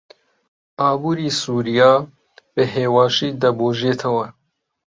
ئابووری سووریا بەهێواشی دەبوژێتەوە.